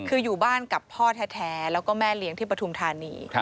คืออยู่บ้านกับพ่อแท้แล้วก็แม่เลี้ยงที่ปฐุมธานี